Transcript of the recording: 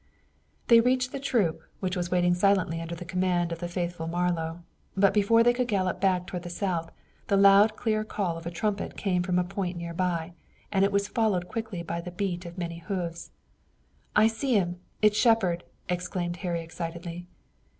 They reached the troop, which was waiting silently under the command of the faithful Marlowe. But before they could gallop back toward the south, the loud, clear call of a trumpet came from a point near by, and it was followed quickly by the beat of many hoofs. "I see him! It's Shepard," exclaimed Harry excitedly.